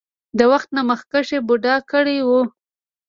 د وخت نه مخکښې بوډا کړے وۀ ـ